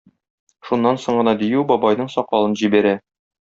Шуннан соң гына дию бабайның сакалын җибәрә.